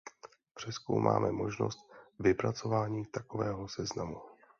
Přezkoumáme možnost vypracování takového seznamu.